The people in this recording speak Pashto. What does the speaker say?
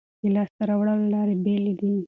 د لاسته راوړلو لارې بېلې دي.